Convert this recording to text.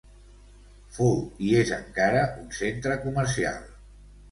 Fou i és encara un centre comercial.